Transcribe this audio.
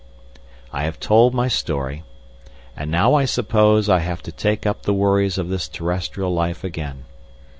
I have told my story—and now, I suppose, I have to take up the worries of this terrestrial life again.